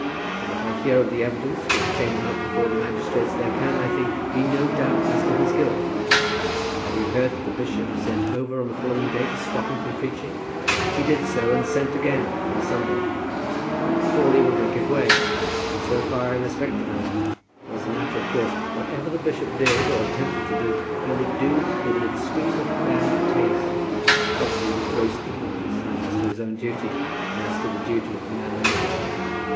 "From what I hear of the evidence which came out before the magistrates, there can, I think, be no doubt as to his guilt. Have you heard that the bishop sent over on the following day to stop him from preaching? He did so, and sent again on the Sunday. But Crawley would not give way, and so far I respect the man; for, as a matter of course, whatever the bishop did, or attempted to do, he would do with an extreme of bad taste, probably with gross ignorance as to his own duty and as to the duty of the man under him.